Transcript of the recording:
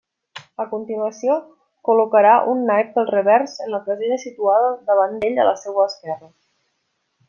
A continuació col·locarà un naip pel revers en la casella situada davant d'ell a la seua esquerra.